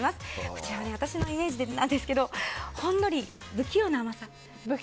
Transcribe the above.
こちら、私のイメージですけどほんのり不器用な甘さ。